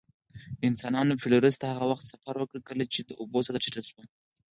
انسانانو فلورس ته هغه وخت سفر وکړ، کله چې د اوبو سطحه ټیټه شوه.